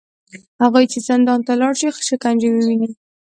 هغوی چې زندان ته لاړ شي، شکنجې وویني